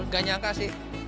gak nyangka sih